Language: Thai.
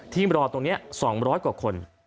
รอตรงนี้๒๐๐กว่าคน